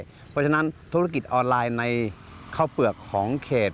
เพราะฉะนั้นธุรกิจออนไลน์ในข้าวเปลือกของเขต